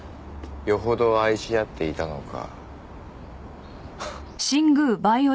余程愛し合っていたのか。